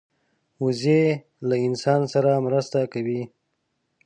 وزې له انسان سره مرسته کوي